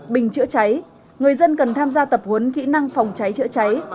bình chữa cháy người dân cần tham gia tập huấn kỹ năng phòng cháy chữa cháy